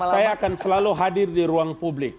saya akan selalu hadir di ruang publik